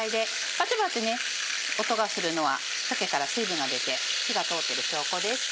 バチバチ音がするのは鮭から水分が出て火が通ってる証拠です。